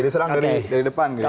diserang dari depan gitu